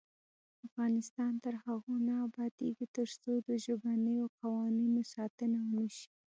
افغانستان تر هغو نه ابادیږي، ترڅو د ژبنیو قوانینو ساتنه ونشي.